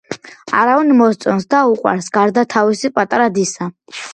არავინ მოსწონს და უყვარს გარდა თავისი პატარა დისა.